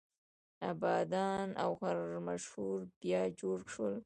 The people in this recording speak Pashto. ابادان او خرمشهر بیا جوړ شول.